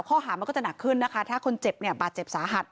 ข้อหามันก็จะหนักขึ้นนะคะถ้าคนเจ็บเนี่ยบาดเจ็บสาหัส